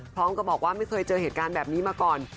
พร้อมกับบอกว่าไม่เคยเจอเหตุการณ์แบบนี้มาก่อน